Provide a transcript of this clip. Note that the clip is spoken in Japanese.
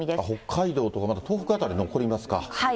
北海道とか、東北辺り残りますか。